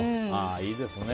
いいですね。